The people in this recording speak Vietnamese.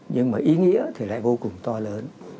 nhưng mà ý nghĩa thì lại vô cùng to lớn